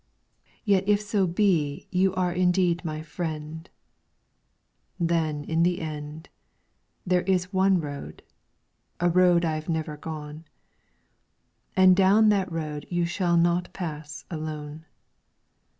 Yet if so be you are indeed my friend, Then in the end, There is one road, a road I 've never gone. And down that road you shall not pass alone.